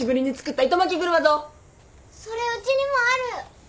それうちにもある。